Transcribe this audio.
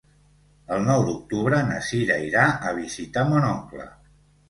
El nou d'octubre na Sira irà a visitar mon oncle.